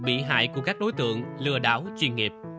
bị hại của các đối tượng lừa đảo chuyên nghiệp